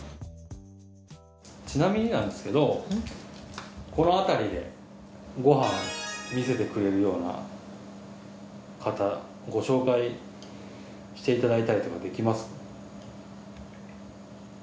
ちなみになんですけどこの辺りでご飯見せてくれるような方ご紹介していただいたりとかできますか？